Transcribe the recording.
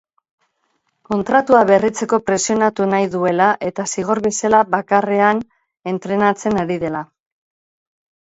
Kontratua berritzeko presionatu nahi duela, eta zigor bezala bakarrean entrenatzen ari dela.